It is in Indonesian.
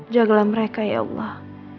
jagalah mereka ya allah